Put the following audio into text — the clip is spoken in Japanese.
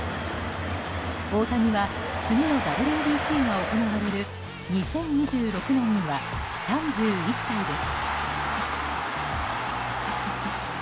大谷は、次のＷＢＣが行われる２０２６年には３１歳です。